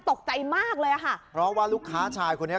ตกใจมากเลยอ่ะค่ะเพราะว่าลูกค้าชายคนนี้